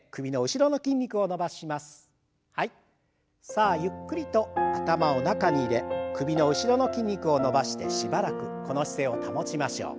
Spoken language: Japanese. さあゆっくりと頭を中に入れ首の後ろの筋肉を伸ばしてしばらくこの姿勢を保ちましょう。